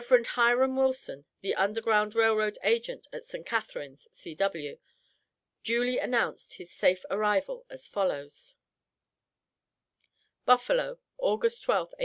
Hiram Wilson, the Underground Rail Road agent at St. Catharines, C.W., duly announced his safe arrival as follows: BUFFALO, Aug. 12th, 1857.